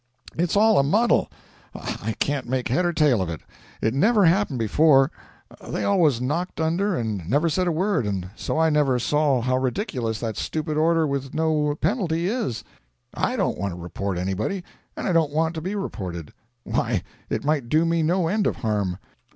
It's all a muddle; I can't make head or tail of it; it never happened before; they always knocked under and never said a word, and so I never saw how ridiculous that stupid order with no penalty is. I don't want to report anybody, and I don't want to be reported why, it might do me no end of harm!